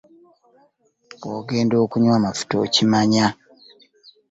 Bw'ogenda okunywa amafuta okimanya.